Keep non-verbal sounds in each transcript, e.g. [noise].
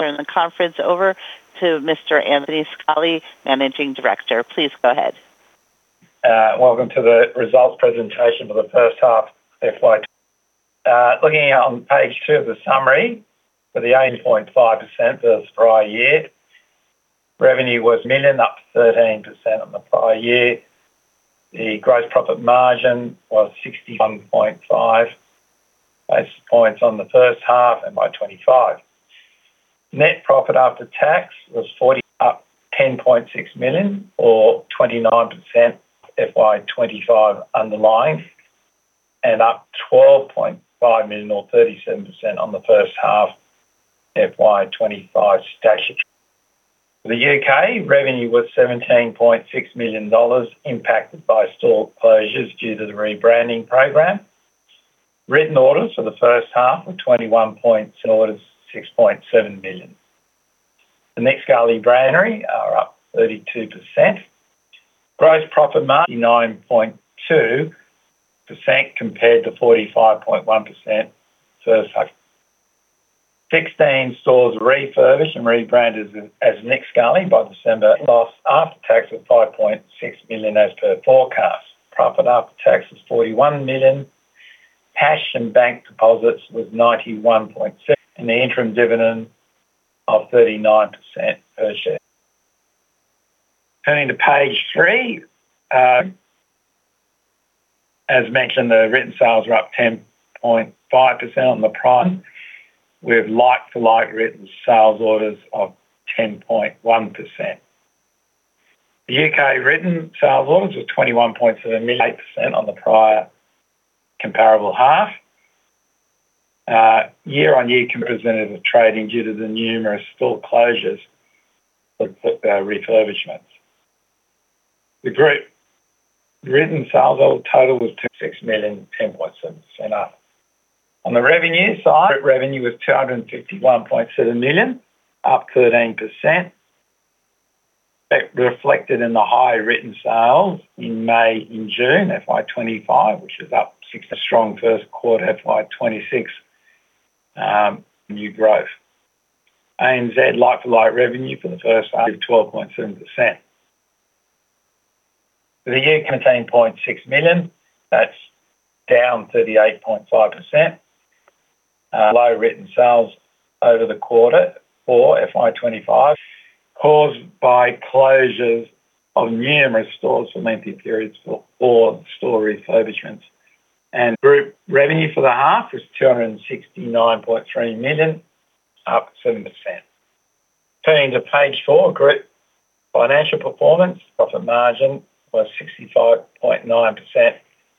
Turn the conference over to Mr. Anthony Scali, Managing Director. Please go ahead. Welcome to the results presentation for the first half FY. Looking at on page two of the summary, for the 80.5% versus prior year, revenue was [inaudible] million, up 13% on the prior year. The gross profit margin was 61.5% on the first half and by 25. Net profit after tax was 40 million, up 10.6 million or 29% FY 2025 underlying and up 12.5 million or 37% on the first half FY 2025 statutory. The U.K. revenue was GBP 17.6 million, impacted by store closures due to the rebranding program. 6.7 million inconsistent with earlier GBP 17.6 million revenue. The Nick Scali brand are up 32%. Gross profit margin, 9.2% compared to 45.1% first half. 16 stores refurbished and rebranded as Nick Scali by December. Loss after tax was 5.6 million as per forecast. Profit after tax was 41 million. Cash and bank deposits was 91.6 million, and the interim dividend of 39 cents per share. Turning to page 3, as mentioned, the written sales are up 10.5% on the prior, with like-for-like written sales orders of 10.1%. The UK written sales orders were 21 million, 8% on the prior comparable half. Year-on-year presented as challenging due to the numerous store closures for refurbishments. The group written sales order total was 256 million, 10.7% up. On the revenue side, revenue was 251.7 million, up 13%. That reflected in the high written sales in May and June, FY 2025, which is up 6-- a strong first quarter, FY 2026, new growth. ANZ like-for-like revenue for the first half, 12.7%. For the year, AUD 210.6 million, that's down 38.5%. Low written sales over the quarter for FY 2025, caused by closures of numerous stores for lengthy periods for full store refurbishments. Group revenue for the half is 269.3 million, up 7%. Turning to page four, group financial performance. Profit margin was 65.9%,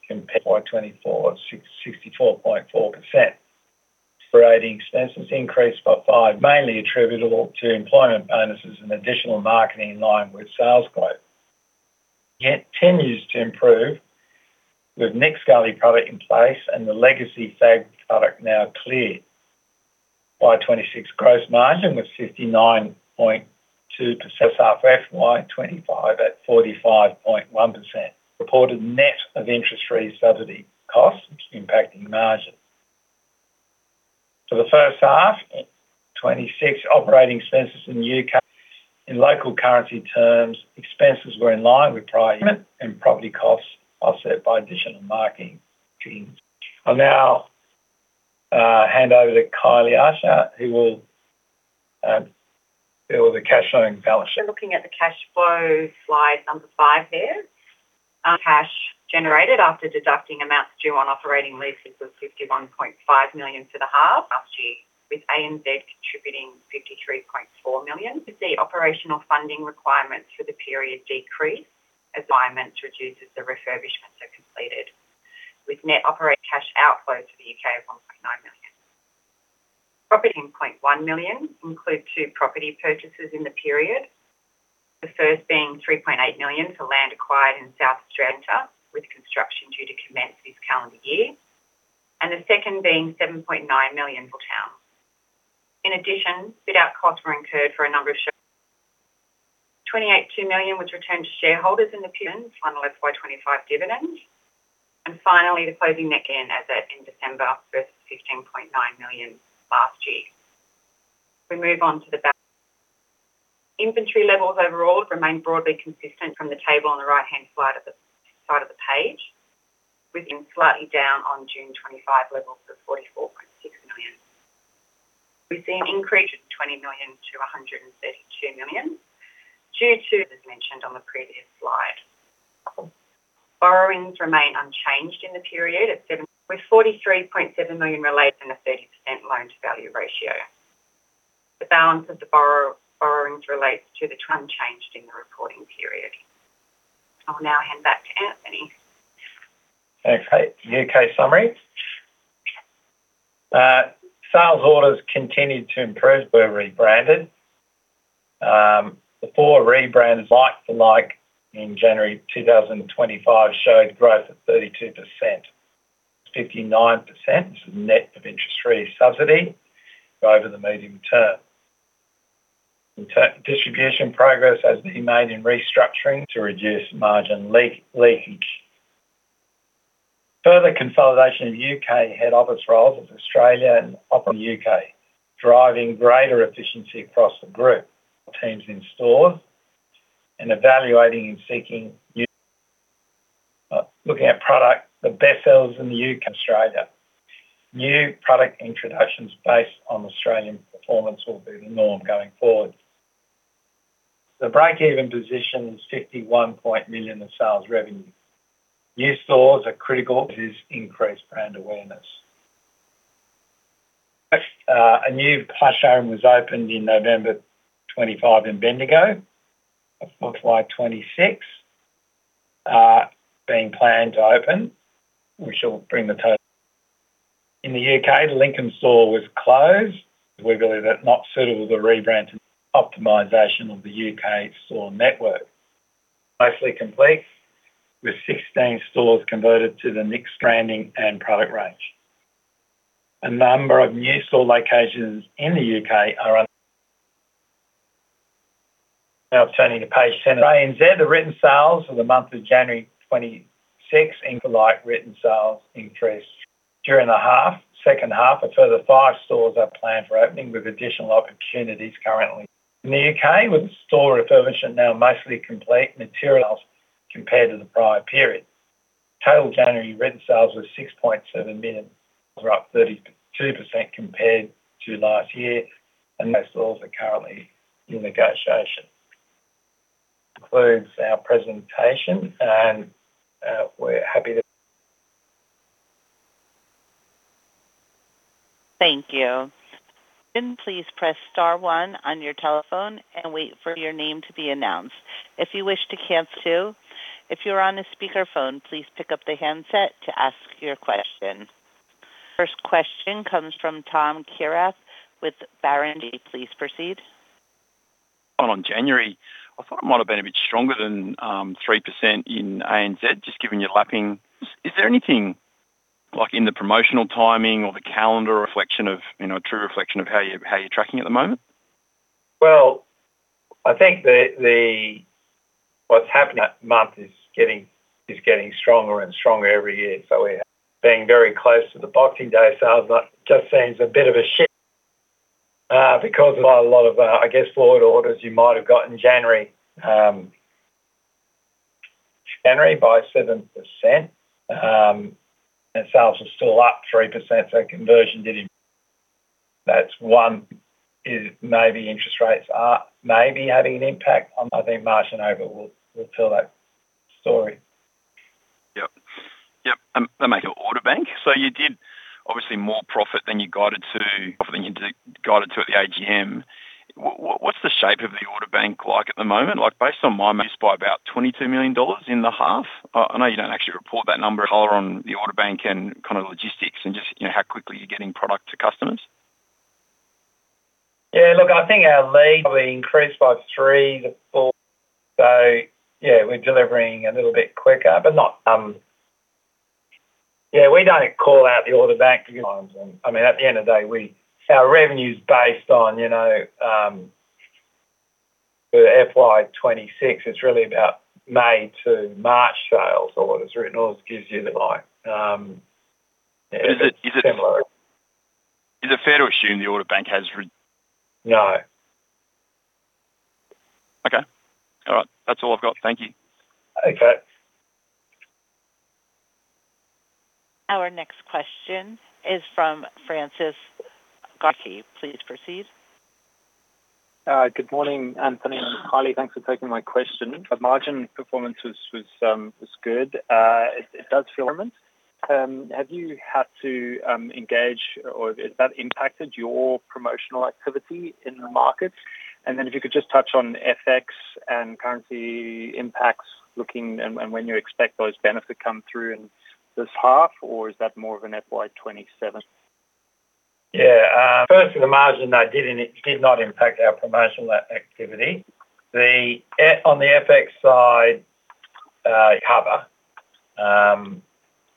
compared to 2024, 64.4%. Operating expenses increased by 5%, mainly attributable to employment bonuses and additional marketing in line with sales growth, yet continues to improve with Nick Scali product in place and the legacy SAG product now cleared. For FY26, gross margin was 59.2%, up from 45.1% in FY25.. Reported net of interest subsidy costs impacting margin. For the first half 26, operating expenses in the U.K. In local currency terms, expenses were in line with prior. And property costs offset by additional marketing. I'll now hand over to Kylie Archer, who will fill the cash flow and balance sheet. Looking at the cash flow, slide 5 here. Our cash generated after deducting amounts due on operating leases was 51.5 million for the half last year, with ANZ contributing 53.4 million. The operational funding requirements for the period decreased as alignment reduces the refurbishments are completed, with net operating cash outflow to the UK of 1.9 million. Property 0.1 million include two property purchases in the period, the first being 3.8 million for land acquired in South Australia, with construction due to commence this calendar year, and the second being 7.9 million for Townsville. In addition, fit-out costs were incurred for a number of share. 28.2 million was returned to shareholders in the final FY 2025 dividends, and finally, the closing net cash as at end December versus 15.9 million last year. We move on to the Inventory levels overall remain broadly consistent from the table on the right-hand side of the page, within slightly down on June 2025 levels of 44.6 million. We've seen an increase of 20 million to 132 million due to, as mentioned on the previous slide. Borrowings remain unchanged in the period at 74.3 million with 43.7 million related to a 30% loan to value ratio. The balance of the borrowings relates to the tranche in the reporting period. I'll now hand back to Anthony. Okay, UK summary. Sales orders continued to improve were rebranded. The four rebrands like for like in January 2025 showed growth of 32%. 59% net of interest free subsidy over the medium term. In the interim, distribution progress has been made in restructuring to reduce margin leakage. Further consolidation of UK head office roles with Australia and Corporate UK, driving greater efficiency across the group. Teams in stores and evaluating and seeking new, looking at product, the best sellers in the UK and Australia. New product introductions based on Australian performance will be the norm going forward. The break-even position is 51 million in sales revenue. New stores are critical to this increased brand awareness. A new Plush Home was opened in November 2025 in Bendigo. A fourth FY 2026 being planned to open, which will bring the total. In the UK, the Lincoln store was closed. We believe it not suitable to rebrand. Optimization of the UK store network mostly complete, with 16 stores converted to the Nick branding and product range. A number of new store locations in the UK are under... Now turning to page 10. ANZ, the written sales for the month of January 2026 include written sales interest. During the half, second half, a further 5 stores are planned for opening, with additional opportunities currently. In the UK, with store refurbishment now mostly complete. Margins compared to the prior period. Total January written sales were 6.7 million, up 32% compared to last year, and most stores are currently in negotiation. Concludes our presentation, and, we're happy to. Thank you. Can you please press star one on your telephone and wait for your name to be announced? If you wish to cancel, too. If you're on a speaker phone, please pick up the handset to ask your question. First question comes from Tom Kierath with Barrenjoey. Please proceed. On January, I thought it might have been a bit stronger than, three percent in ANZ, just giving you lapping. Is there anything like in the promotional timing or the calendar reflection of, you know, a true reflection of how you're, how you're tracking at the moment? Well, I think what's happening at month is getting stronger and stronger every year, so we're being very close to the Boxing Day Sales, but just seems a bit of a shift because of a lot of, I guess, forward orders you might have got in January. January by 7%, and sales are still up 3%, so conversion didn't... That's one. It maybe interest rates are maybe having an impact on that. I think March and over will tell that story. Yep. Yep, and they make an order bank. So you did obviously more profit than you guided to at the AGM. What's the shape of the order bank like at the moment? Like, based on my math by about 22 million dollars in the half. I know you don't actually report that number, the order bank and kind of logistics and just, you know, how quickly you're getting product to customers. Yeah, look, I think our lead probably increased by 3-4. So yeah, we're delivering a little bit quicker, but not... Yeah, we don't call out the order bank. I mean, at the end of the day, we, our revenue is based on, you know, for the FY 26, it's really about May to March sales or what it's written or gives you the like, yeah. Is it fair to assume the order bank has re- No. Okay. All right. That's all I've got. Thank you. Okay. Our next question is from Francis Garkey. Please proceed. Good morning, Anthony and Kylie. Thanks for taking my question. The margin performance was good. It does feel... Have you had to engage, or has that impacted your promotional activity in the markets? And then if you could just touch on FX and currency impacts, looking and when you expect those benefits come through in this half, or is that more of an FY 2027? Yeah. First, the margin, that didn't, it did not impact our promotional activity. The effect on the FX side, cover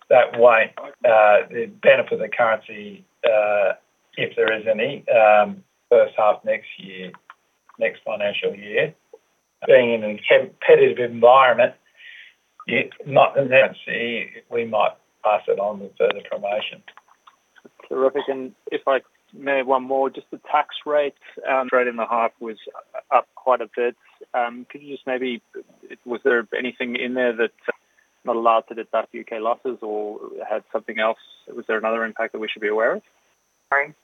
that way, the benefit of the currency, if there is any, first half next year, next financial year. Being in a competitive environment, it's not necessary, we might pass it on with further promotion. Terrific. And if I may, one more, just the tax rate in the half was up quite a bit. Could you just maybe... Was there anything in there that not allowed to deduct the U.K. losses or had something else? Was there another impact that we should be aware of? Sorry.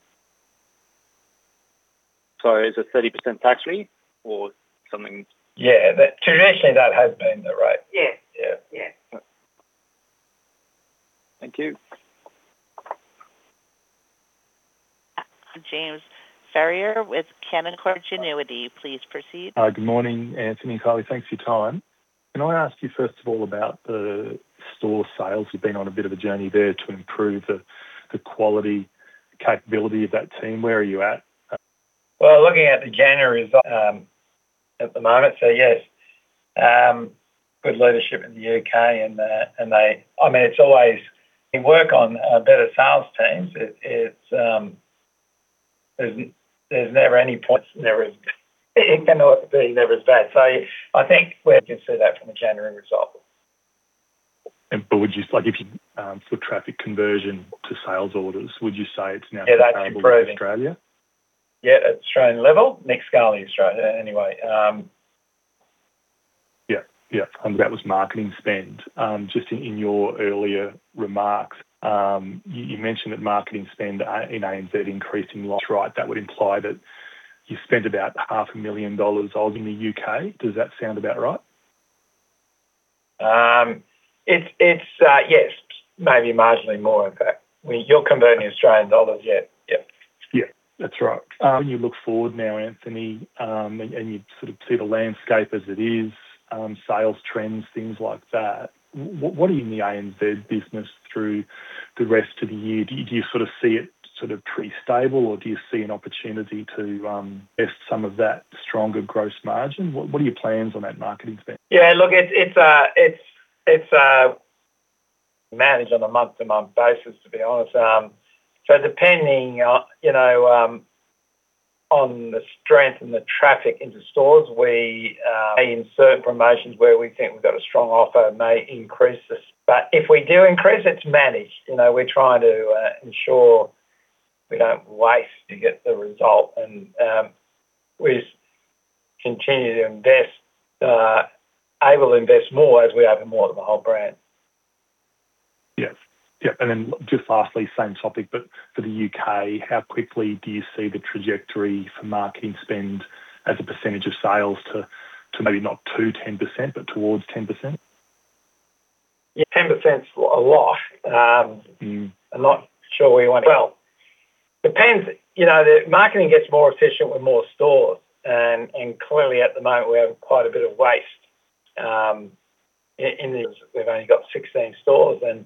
So is it 30% tax rate or something? Yeah. But traditionally, that has been the rate. Thank you. James Ferrier with Canaccord Genuity. Please proceed. Good morning, Anthony and Kylie. Thanks for your time. Can I ask you, first of all, about the store sales? You've been on a bit of a journey there to improve the quality capability of that team. Where are you at? Well, looking at the January, at the moment, so yes, good leadership in the UK and and they... I mean, it's always work on, better sales teams. It, it's... There's never any point, there is, it cannot be never as bad. So I think we can see that from the January result. Foot traffic conversion to sales orders, would you say it's now comparable- Yeah, that's improving. In Australia? Yeah, Australian level, next scale in Australia anyway. Yeah. Yeah, and that was marketing spend. Just in your earlier remarks, you mentioned that marketing spend in ANZ increasing loss, right? That would imply that you spent about 500,000 dollars in the UK. Does that sound about right? It's yes, maybe marginally more, in fact. When you're converting Australian dollars, yeah. Yep. Yeah, that's right. When you look forward now, Anthony, and you sort of see the landscape as it is, sales trends, things like that, what are in the ANZ business through the rest of the year? Do you sort of see it sort of pretty stable, or do you see an opportunity to invest some of that stronger gross margin? What are your plans on that marketing spend? Yeah, look, it's managed on a month-to-month basis, to be honest. So depending on, you know, on the strength and the traffic into stores, we in certain promotions where we think we've got a strong offer, may increase this. But if we do increase, it's managed. You know, we're trying to ensure we don't waste to get the result, and we continue to invest, able to invest more as we open more of the whole brand. Yes. Yeah, and then just lastly, same topic, but for the UK, how quickly do you see the trajectory for marketing spend as a percentage of sales to, to maybe not to 10%, but towards 10%? Yeah, 10%'s a lot. I'm not sure we want. Well, depends, you know, the marketing gets more efficient with more stores, and clearly, at the moment, we have quite a bit of waste. We've only got 16 stores, and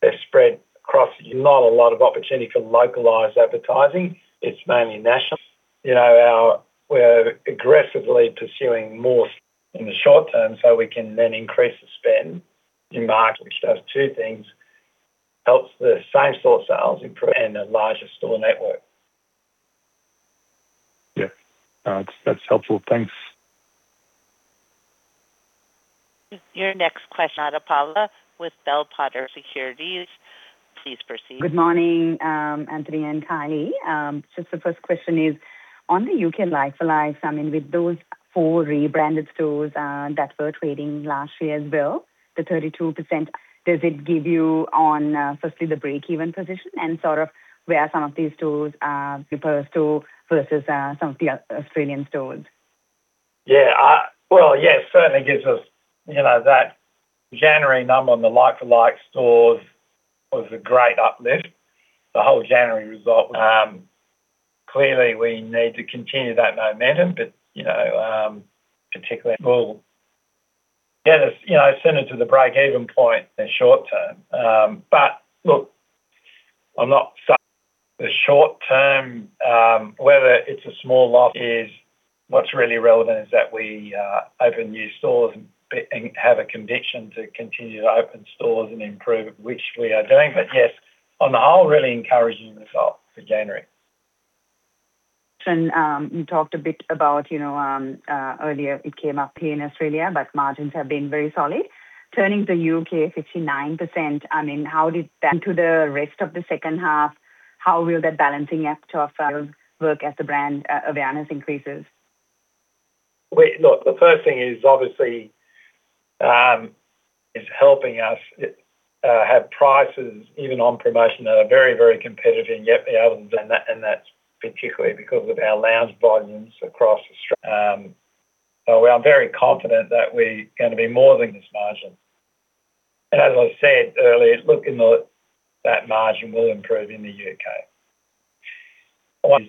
they're spread across. Not a lot of opportunity for localized advertising. It's mainly national. You know, our, we're aggressively pursuing more in the short term, so we can then increase the spend in marketing, which does two things: helps the same store sales improve and a larger store network. Yeah. That's, that's helpful. Thanks. Your next question, Chami Ratnapala with Bell Potter Securities. Please proceed. Good morning, Anthony and Kylie. Just the first question is, on the UK like-for-likes, I mean, with those four rebranded stores that were trading last year as well, the 32%, does it give you on, firstly, the break-even position and sort of where some of these stores are referred to versus some of the Australian stores? Yeah, well, yes, certainly gives us, you know, that January number on the like-for-like stores was a great uplift. The whole January result, clearly, we need to continue that momentum, but, you know, particularly, well, yeah, you know, sooner to the break-even point in the short term. But look, I'm not sure the short term, whether it's a small loss is, what's really relevant is that we open new stores and have a conviction to continue to open stores and improve, which we are doing, but yes, on the whole, really encouraging result for January. And, you talked a bit about, you know, earlier, it came up here in Australia, but margins have been very solid. Turning to UK, 59%, I mean, how did that... To the rest of the second half, how will that balancing act of work as the brand awareness increases? Look, the first thing is, obviously, is helping us have prices even on promotion that are very, very competitive and yet be able to... And that, and that's particularly because of our lounge volumes across Australia. So we are very confident that we're gonna be more than this margin. And as I said earlier, look, in the, that margin will improve in the UK.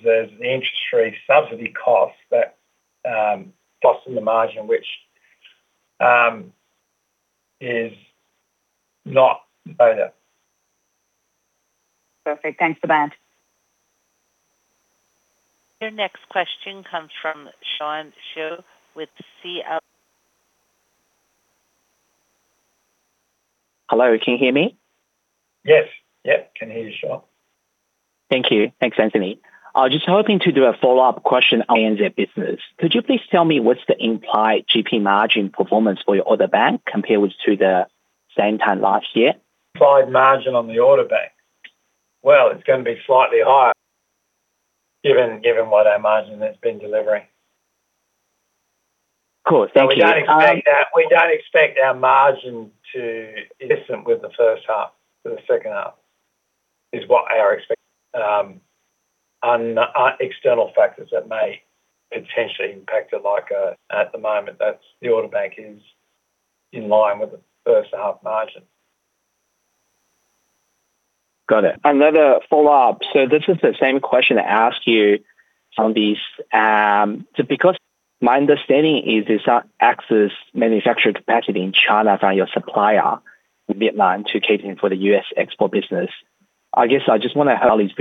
There's the interest-free subsidy cost that pulls in the margin, which is not better. Perfect. Thanks for that. Your next question comes from Sean Xu with CLSA. Hello, can you hear me? Yes, yep, can hear you, Sean. Thank you. Thanks, Anthony. I was just hoping to do a follow-up question on your business. Could you please tell me what's the implied GP margin performance for your order bank compared to the same time last year? Implied margin on the order bank. Well, it's gonna be slightly higher, given, given what our margin has been delivering. Cool, thank you. We don't expect our margin to be consistent with the first half to the second half, is what I expect. On external factors that may potentially impact it like, at the moment, that's the order bank is in line with the first half margin. Got it. Another follow-up. So this is the same question I asked you on this, so because my understanding is this excess manufacturing capacity in China by your supplier in Vietnam to cater for the U.S. export business. I guess I just want to have this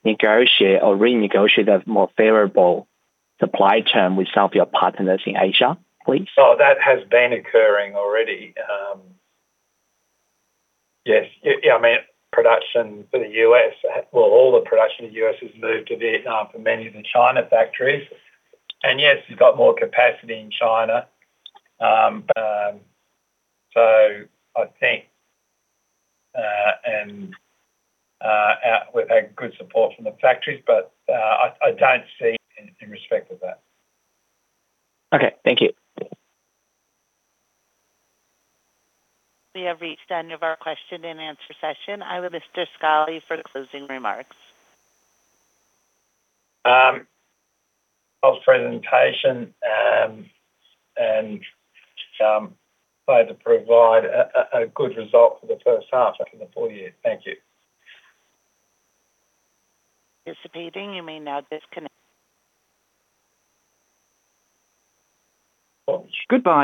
position to negotiate or renegotiate a more favorable supply term with some of your partners in Asia, please. So that has been occurring already. Yes. Yeah, I mean, production for the U.S., well, all the production in the U.S. has moved to Vietnam from many of the China factories. And yes, we've got more capacity in China, but so I think, and we've had good support from the factories, but I don't see in respect of that. Okay. Thank you. We have reached the end of our question-and-answer session. Over to Mr. Scali for the closing remarks. End of presentation, and so to provide a good result for the first half and the full year. Thank you. You may now disconnect. Goodbye.